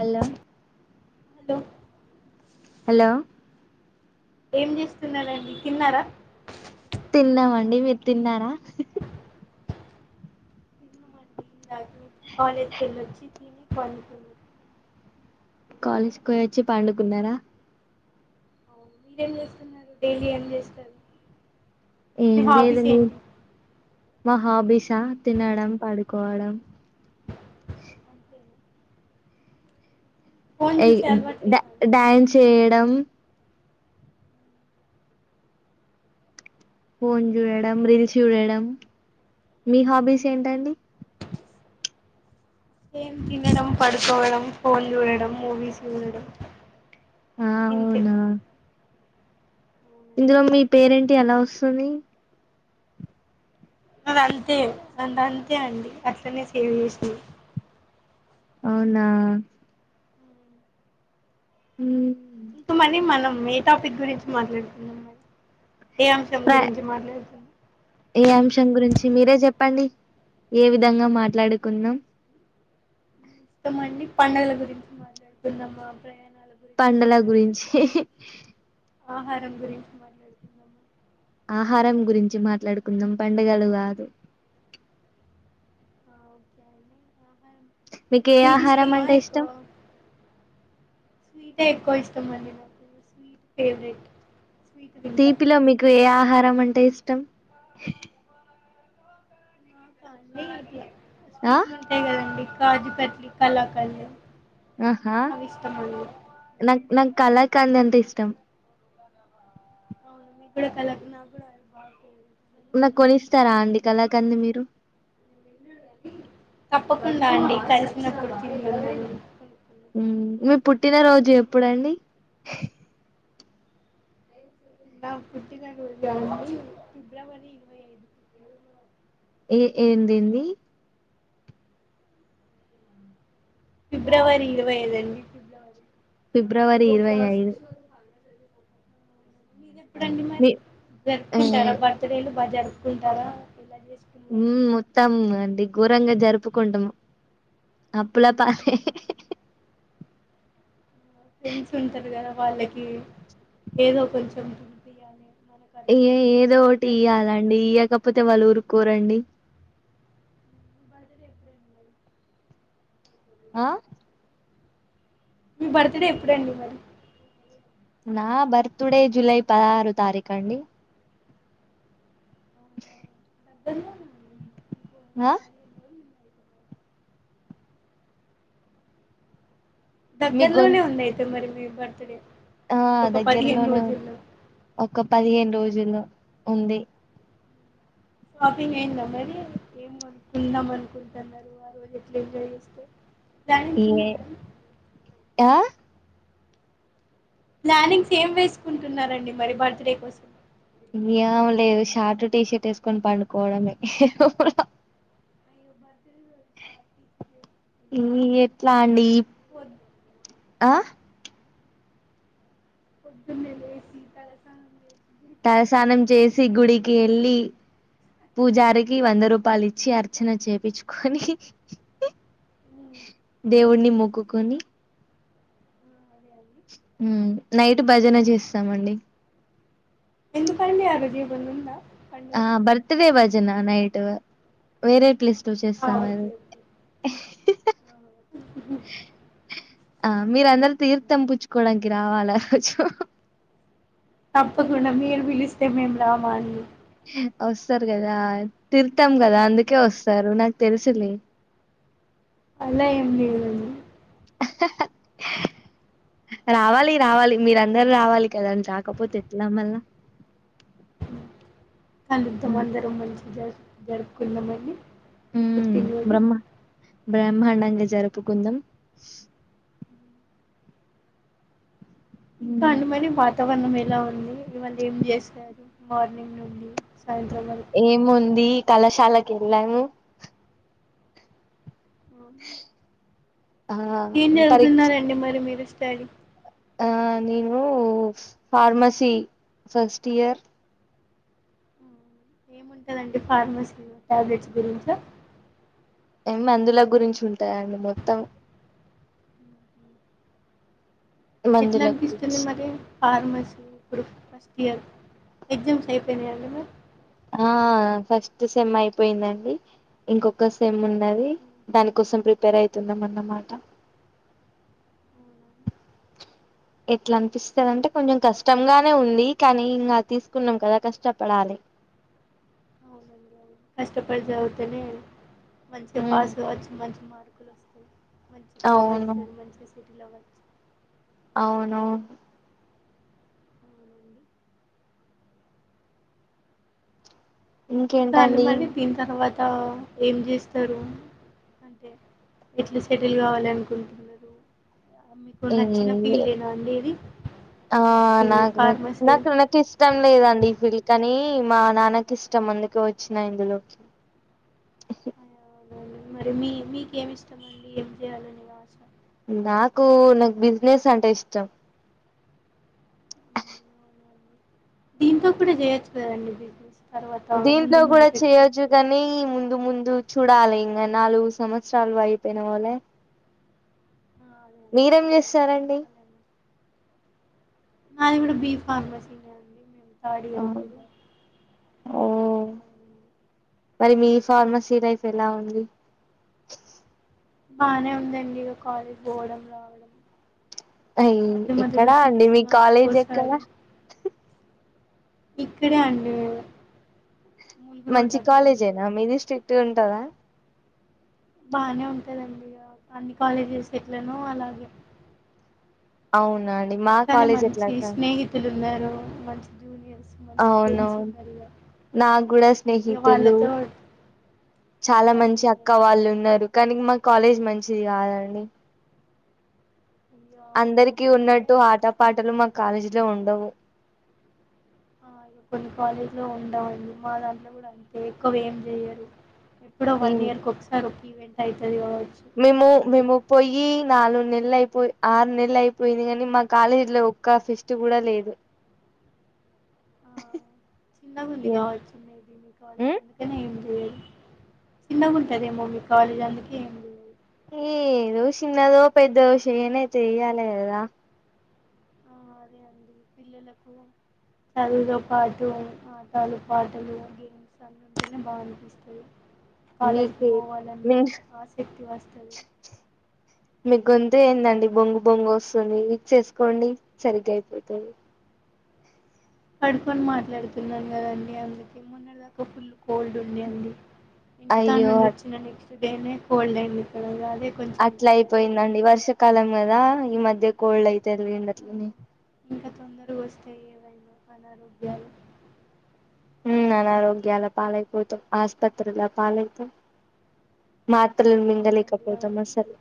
Hello hello hello ఏం చేస్తున్నారండి తిన్నారా తిన్నామండి మీరు తిన్నారా కాలేజ్ కి వెళ్ళొచ్చి తినీ పండుకున్న కాలేజ్కి పోయి వచ్చి పండుకున్నారా మీరేం చేస్తున్నారు డైలీ ఏం చేస్తారు మీ ఏం లేదు హాబీస్ ను ఏంటి మా హాబీసా తినడం పడుకోవడం అంతేనా ఫోన్ ఏయ్ చూసే అలవాటు డా లేదా అండి డ్యాన్స్ చేయడం ఫోన్ చూడడం రీల్స్ చూడడం మీ హాబీస్ ఏంటండి ఏం తినడం పడుకోవడం ఫోన్ చూడడం మూవీస్ చూడడం ఆ ఇంతే అవునా అవునండి, ఇందులో మీ పేరేంటి ఎలా వస్తది అది అంతే అ అంతే అండి అట్లనే సేవ్ చేసింది అవునా ఉ ఇంకమని మనం ఏ టాపిక్ గురించి మాట్లాడుతున్నాం మరీ ఏ అంశం ప్ర గురించి మాట్లాడుతున్నాం ఏ అంశం గురించి మీరే చెప్పండి ఏ విధంగా మాట్లాడుకుందాం తో మని పండుల గురించి మాట్లాడుకుందామా ప్రయాణాలు పండగల గురించి ఆహారం గురించి మాట్లాడు ఆహారం గురించి మాట్లాడుకుందాం పండుగలు కాదు ఓకే అండి ఆహారం మీకు ఏ ఆహారం ఇష్టమా అంటే ఎక్కువ ఇష్టం స్వీట్ ఎక్కువ ఇష్టం అండి నాకు స్వీట్ ఫేవరెట్ స్వీట్ తింటా తీపిలో మీకు ఏ ఆహారం అంటే ఇష్టం అన్ని ఆ స్వీట్లు ఉంటాయి కదండి కాజుకట్లి కలాకండ్ ఆహా నాకు నాకు కళాకాండ్ అంటే ఇష్టం అవును నీకు కూడా కలాకండ్ నాకు కూడా అంటే అది బాగుంటది నాకు కొనిస్తారా అండి కలకాండ్ మీరు తప్పకుండా అండి కలిసినప్పుడు తిందాం కొనుక్కుందాం ఉ నువ్వు పుట్టిన రోజు ఎప్పుడు అండి నా పుట్టిన రోజా అండి ఫిబ్రవరి ఇరవై ఐదు ఏ ఏంది ఏంది ఫిబ్రవరి ఇరవై ఐదు అండి ఫిబ్రవరి ఫిబ్రవరి ఇరవై ఐదు మీది ఎప్పుడండి మరి మీ ఏ జరుపుకుంటారా బర్త్ డేలు బాగా జరుపుకుంటారా ఏలా చేసుకు ఉ మొత్తాము అండి ఘోరంగా జరుపుకుంటాము అప్పులా పాలే ఫ్రెండ్స్ ఉంటారు కదా వాళ్ళకి ఏదో కొంచెం తినిపియాలే [inaudible] ఏ ఏదో ఒకటి ఇయ్యాలండి ఇయకపోతే వాళ్ళు ఊరుకోరండి [inaudible] ఆ మీ బర్త్ డే ఎప్పుడు అండి మరి నా బర్త్ డే జులై పదహారు తారీఖు అండి అవునా దగ్గరలోనే [inaudible] అ పదిహేను రోజులు ఉంది అయిపోతుంది మీ దగ్గర్లోనే గొంతు ఉంది అయితే మరి మీ బర్త్ డే. ఆ ఇంకొక పదిహేను దగ్గరలోనే ఉం రోజుల్లో. ఒక పదిహేను రోజుల్లో ఉంది. షాపింగ్ అయ్యిందా మరి? ఏం కొనుకుందాం అనుకుంటన్నారు? ఆరోజు ఎట్లా ఎంజాయ్ చేస్తే ప్లానింగ్స్ ఏ ఉన్నాయా ఆ ప్లానింగ్స్ ఏం వేసుకుంటన్నారండి మరి బర్త్డే కోసం ఏం లేదు షార్ట్ టీ షర్ట్ వేసుకొని పండుకోవడమే రూమ్ లో యాక్చువల్లీ నేను షార్ట్ టీ షర్ట్ వేసుకుని ఈ ఎట్లా అండి వొద్దు ఆ పొద్దున్నే లేసి తలస్నానం చేసి గుడికి వెళ్ళాలి తలస్నానం కదండి చేసి గుడికి ఎళ్ళి పూజారికి వంద రూపాయలు ఇచ్చి అర్చన చేపిచ్చుకొని దేవున్ని మొక్కుకొని ఆ అదే అండి నైట్ భజన చేస్తామండి ఎందుకండి ఆ రోజు ఏమన్న ఉంద పన్ ఆ బర్త్డే భజన నైట్ వేరే ప్లేస్ లో చేస్తాం అది ఓ ఆ మీరు అందరు తీర్థం పుచ్చుకోవడానికి రావాల ఆ రోజు తప్పకుండా మీరు పిలిస్తే మేము రామ అండి వస్తారు కదా తీర్థం కదా అందుకే వస్తారు నాకు తెలుసులే. అలా ఏం లేదండి. [inaudible] రావాలి రావాలి మీరు అందరు రావాలి కదా అని రాకపోతే ఎట్ల మల్ల [inaudible] కానీ ఎంత మందిర మంచిగా జరుగు జరుపుకుందామండి మీ ఉమ్ పుట్టినరోజు బ్రహ్మ బ్రహ్మాండంగా జరుపుకుందాం. ఇంకా ఉమ్, అండి మరి వాత్ తావరణం ఎలా ఉంది? ఇవాళ ఏం చేసారు మార్నింగ్ నుండి సాయంత్రం వర ఏముంది కళాశాలకు వెళ్ళాను ఆ ఆ ఏం పరీక్ష చదువుతున్నారండి మరి మీరు స్టడీ ఆ నేను ఫార్మసి ఫస్ట్ ఇయర్ ఏముంటదండి ఫార్మసీలో టాబ్లెట్స్ గురించ ఏ మందుల గురించి ఉంటాయండి మొత్తం. ఎట్ల మందుల గురించి అనిపిస్తుంది మరి ఫార్మసీ ఇప్పుడు ఫస్ట్ ఇయర్ ఎగ్జామ్స్ అయిపోయినాయ అండి మరి ఆ ఫస్ట్ సెమ్ అయిపోయిందండి ఇంకొక సేమ్ ఉన్నది దానికోసం ప్రిపేర్ అయితున్నాం అన్నమాట. ఎట్ల అనిపిస్తాదంటే కొంచెం కష్టంగానే ఉంది కానీ ఇంకా తీసుకున్నాం కదా కష్టపడాలి అవునండి అవును కష్టపడి చదివితేనే మంచిగా ఉమ్ పాస్ కావచ్చు. మంచి మార్కులు వస్తాయి. మంచి జాబ్ అవును వస్తది మంచిగ సెటిల్ అవ్ అవునవును అవునండి [inaudible] ఇంకేంటండి మరి దీని తర్వాత ఏం చేస్తారు అంటే ఎట్లా సెటిల్ కావాలి అనుకుంటున్నారు ఈ నచ్చిన ఫీల్డేనా అండి ఇది ఆ ఈ నాకు ఫార్మసీ నాకు న ఇష్టం లేదండి ఈ ఫీల్డ్ కని మా నాన్నకి ఇష్టం అందుకు వచ్చినా ఇందులోకి [inaudible] అవునండి మరి మీ మీకేమి ఇష్టం అండి ఏం చేయాలని [inaudible] నాకు నాకు బిజినెస్ అంటే ఇష్టం ఉమ్, [inaudible] అవునండి దీంతో కూడా చేయొచ్చు కదండి బిజినెస్ తర్వాత దీంట్లో ముందు ముందు కూడా చేయొచ్చు పెట్టుకోవచ్చు కానీ ముంద్ ముందు ముందు చూడాలి ఇంగ నాలుగు సంవత్సరాలు అయిపోయిన వాళ్ళ ఆ, అదే అండి మీరేం నాలుగు చేస్తారండి సంవత్సరాలు నాది కూడా బీ ఫార్మసీ మే ఆ ఓ మరి మీ ఫార్మసీ లైఫ్ ఎలా ఉంది బానే ఉందండి ఇక కాలేజ్ పోవడం రావడం అయ్ మధ్య మధ్యలో ఎక్కడా అండి సిక్స్ మీ మంత్స్ కాలేజ్ ఎక్కడా కోసారి ఇక్కడే అండి ములుగు రోడ్ మంచి దగ్గర కాలేజ్ ఉంటది యేన మీది స్ట్రిక్ట్ ఉంటదా బానే ఉంటదండి ఇగ అన్ని కాలేజెస్ ఎట్లనో అలాగే అవునా అండి మా కాలేజ్ ఎట్లాగా తిలున్నారు మంచి జూనియర్స్ మంచి ఫ్రెండ్స్ అవునవును ఉన్నాయి నాకు కూడా ఇక స్నేహితులు వాళ్ళతో టైం చాలా పాస్ మంచి అక్క అవుతదండి వాళ్ళు ఉన్నారు కానీ మా కాలేజ్ మంచిది కాదండి [inaudible] అందరికి ఉన్నట్టు ఇగ ఆట పాటలు మా కాలేజీలో ఉండవు ఆ కొన్ని కాలేజీ లో ఉండవుడి మా దంలో కూడా అంతే ఎక్కువ ఏం చెయరు ఎప్పుడో వన్ ఏం ఇయర్ క ఒకసారి ఒక ఈవెంట్ అయితది కావచ్చు మేము అంతే మేము పోయి నాలుగు నెలలు అయిపోయి ఆరు నెలలు అయిపోయింది కాని మా కాలేజీ లో ఒక్క ఫెస్ట్ కూడా లేదు ఆ చిన్నగుంది కావచ్చు మే బీ కాలేజ్ అందుకనే ఏమి చేయర్ చిన్నగా ఉంటదేమో మీ కాలేజ్ అందుకే ఏమి ఏ ఏదో చిన్నదో పెద్దదో చేయనైతే చేయాలి కదా ఆ అదే అండి పిల్లలు చదువుతో పాటు ఆటలు పాటలు సందనే బాగా అనిపిస్తుంది కాలేజీకి మీకు మీ పోవాలన్న ఆసక్తి వస్తది మీ గొంత ఏందండి బొంగు బొంగు వస్తుంది విక్స్ వేసుకోండి సరిగ్గా అయిపోతది పడుకొని మాట్లాడుతున్నాను కదండి అందుకే [unintelligible] కోల్డ్ ఉండే అడి ఇంటికా అయ్యో నుండి వచ్చిన నెక్స్ట్ డేనే కోల్డ్ అయింది ఇక్కడ అదే కొంచెం అట్లా తగ్గట్లేదు అయిపోయిందండి వర్షాకాలం కదా ఈ మధ్య కోల్డ్ అవుతుంది అట్లానే ఇంకా తొందరగా వస్తే ఏవైనా అనారోగ్యాలు ఉమ్ అనారోగ్యలా పాాలైపోతం ఆస్పత్రుల పాలైతం మాత్రలు మింగలేక అవునండి పోతం అసలు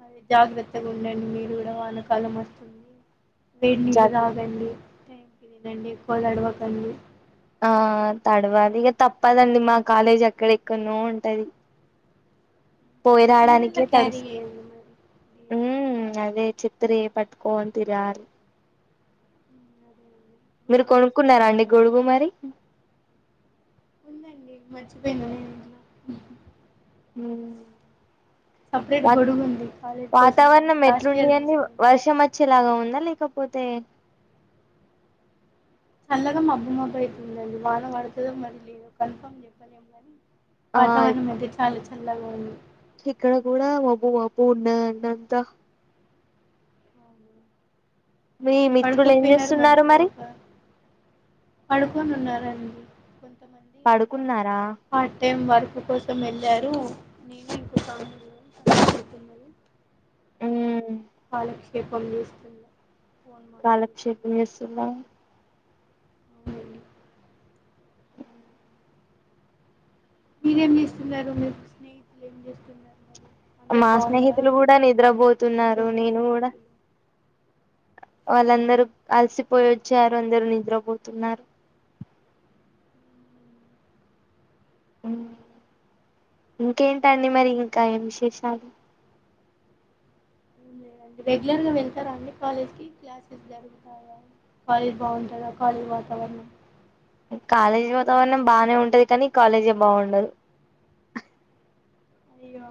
అ జాగ్రత్తగా ఉండండి మీరు కూడా వానకాలం వస్తుంది వేడి నీళ్ళు జాగ్రత్త తాగండి టైంకి తినండి ఎక్కువడవకండి ఆ తడవాల ఇక తప్పదండి మా కాలేజ్ ఎక్కడెక్కడనో ఉంటది పోయి అంబ్రెల్లా క్యారీ రాడానికితడస్ చేయండి మరి ఉ అదే చత్రి పట్టుకోనికి రారు ఉమ్, అదే అండి మీరు గొడుగు కొనుక్కున్నారా తీసుకోవడం అండి వల్ల గొడుగు మరి ఉందండి మర్చిపోయినన్నా [inaudible] [inaudible] సపరేట్ వా గొడుగు ఉంది కాలేజ్ కోసం అని వాతావరణం లాస్ట్ ఎట్లుండి ఇయర్ అని తీసుకున్నా వర్షం వచ్చేలాగా ఉందా లేకపోతే చల్లగా మబ్బు మబ్బ అవుతుందండి వానం పడుతుందో మరి లేద కన్ఫామ్ చెప్పలేం కాని ఆ వాతావరణం అయితే చాలా చల్లగా ఉంది ఇక్కడ కూడా మబ్బు మబ్బు గున్నదండీ అంతా అవును. మీ మిత్రులు ఏం పడుకోపోయినారు చేస్తున్నారు మంచిగా మరి ఒక పడుకొని ఉన్నారండి కొ పడుకున్నారా పార్ట్ టైం వర్క్ కోసం వెళ్ళారు నేను [inaudible] కలుసుకున్నది నేను ఉమ్ మీతో కాలక్షేపం చేస్తున్నా ఫోన్ మాట్లాడుతున్నా కాలక్షేపం చేస్తున్నా అవునండి మీరేం చేస్తున్నారు మీరు స్నేహితులు ఏం చేస్తున్నారు మరి అందరు మా బాగున్నారా స్నేహితులు అండి కూడా మీరు నిద్రపోతున్నారు మీ నేను కూడా స్నేహితులు వాళ్ళందరూ అలసిపోయి వచ్చారు అందరు నిద్రపోతున్నారు [inaudible] ఇంకేంటండి మరి ఇంకా ఏం విశేషాలు డి రెగ్యులర్ గా వెళ్తారాండి కాలేజ్ క్లాసెస్ కాలేజ్బాగుంటందా కాలేజ్ వాతావరణం కాలేజీ వాతావరణం బానే ఉంటది కానీ కాలేజే బాగుండదు అయ్యో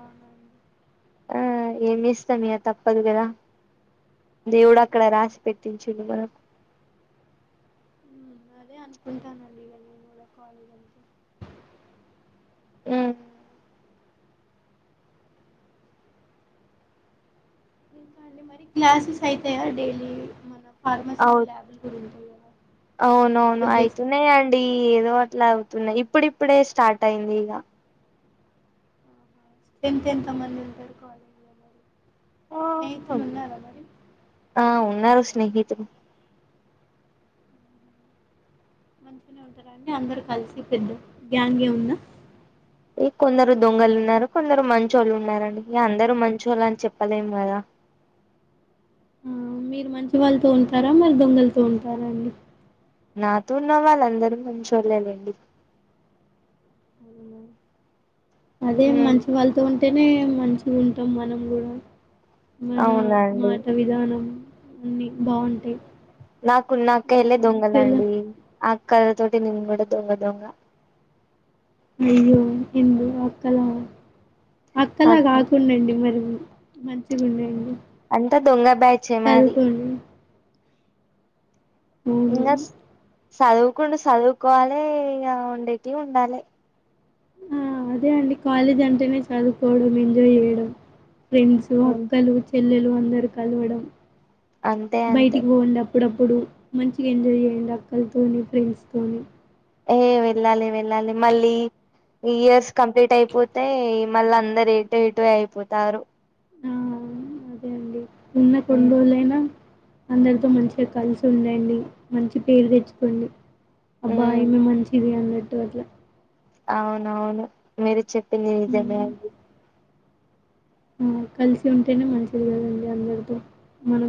ఆ ఏమి ఇస్తాను ఇక తప్పదు కదా దేవుడు అక్కడ రాసి పెట్టించుండు మనం అదే అనుకుంటానుండి ఇ నేను కూడా కాలేద అంటే ఉ ఇంకా అండి మరి క్లాసెస్ అయితాయా డైలీ మన అవు ఫార్మసీలో [inaudible] ల్యాబులు కూడా ఉంటాయా ల్యాబులు చేస్తారా డీ ఏదో అట్లా అవుతున్నాయి ఇప్పుడిప్పుడే స్టార్ట్ అయింది ఇక టెన్త్ ఎంత మంది ఉంటారు కాలేజ్లో మరి స్నేహితులు ఉన్నారా మరి ఆ ఉన్నారు స్నేహితులు మంచిగానే ఉంటారు అండి అందరు కలిసి పెద్ద గ్యాంగ్ ఏ ఉన్న ఈ కొందరు దొంగలు ఉన్నారు కొందరు మంచోళ్ళు ఉన్నారండి అందరు మంచోళ్ళు అని చెప్పలేం కదా ఆ మీరు మంచి వాళ్ళుతో ఉంటారా మరి దొంగలుతో ఉంటారా అండి నాతో ఉన్న వాళ్ళందరూ మంచోల్లే అండి అవునా అదే ఉమ్ మంచి వాళ్ళతో ఉంటేనే మంచిగుంటాం మనం కూడా మన అవునండి మాట విధానం అన్ని నాకున్నా అక్కయల్లే మంచిగా దొంగలండి అక్కాల తోటి నేన్ కూడా దోంగ దొంగ అయ్యో హందు అక్కలా అక్కలా అక్క కాకుండాండి మరి మంచిగుండండి అంతా దొంగ బ్యాచ్ ఏ మాది అవును ఇంగ చదువుకుండు చదువుకోవాలే ఇగ ఉండేటివు ఉండాలే ఆ అదే అండి కాలేజ్ అంటేనే చదువుకోవడం ఎంజాయ్ చేయడం ఫ్రెండ్స్ హ్మ్ అక్కలు చెల్లెలు అందరు కలవడం అంతే అంతే బయటికి పోవుండప్ ప్పుడప్పుడు మంచిగా ఎంజాయ్ చేయండి అక్కలతో ఫ్రెండ్స్తోతోని ఏ వెళ్ళాలి వెళ్ళాలి మళ్ళీ ఇయర్స్ కంప్లీట్ అయిపోతే మళ్ళీ అందరు ఎటు ఎటో అయిపోతారు ఆ అవును అదే అండి ఉన్న ఉమ్ కొన్రోలైనా అందరితో మంచిగా కలిసుండండి మంచిగ పేరు తెచ్చుకోండి అబ్బా ఉమ్ ఇమె మంచిది అన్నట్టు అట్ల అవునవును మీరు చెప్పింది నిజమే హ్మ్. అండి మ్ కలిసుంటేనే మంచిది కదండి అందరితో మనం